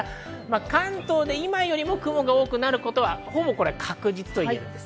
関東で今よりも雲が多くなることはほぼ確実です。